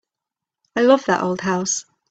I love that old house.